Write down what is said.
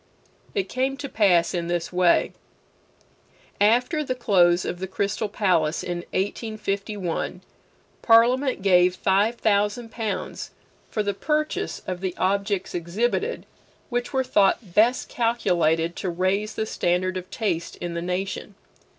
It came to pass in this way: After the close of the Crystal Palace in 1851, Parliament gave five thousand pounds for the purchase of the objects exhibited which were thought best calculated to raise the standard of taste in the nation.